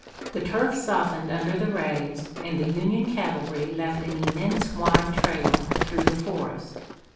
The turf softened under the rays and the Union cavalry left an immense wide trail through the forest.